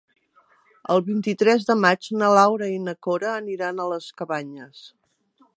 El vint-i-tres de maig na Laura i na Cora aniran a les Cabanyes.